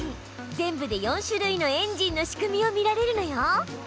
全部で４種類のエンジンの仕組みを見られるのよ。